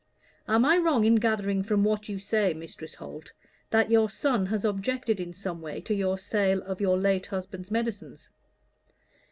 "Am I wrong in gathering from what you say, Mistress Holt, that your son has objected in some way to your sale of your late husband's medicines?"